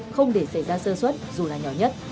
không để xảy ra sơ xuất dù là nhỏ nhất